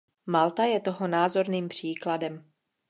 Malta je toho názorným příkladem.